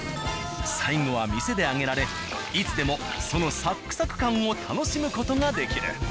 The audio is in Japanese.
最後は店で揚げられいつでもそのサックサク感を楽しむ事ができる。